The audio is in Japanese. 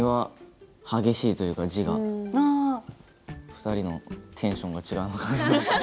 ２人のテンションが違うのかなって。